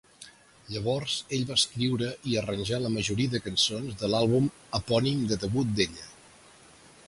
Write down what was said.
Llavors, ell va escriure i arranjar la majoria de cançons de l'àlbum epònim de debut d'ella.